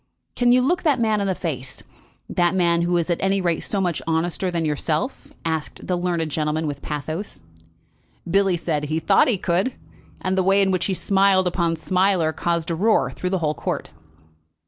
"Can you look that man in the face, that man who is at any rate so much honester than yourself?" asked the learned gentleman with pathos. Billy said that he thought he could, and the way in which he smiled upon Smiler caused a roar through the whole court.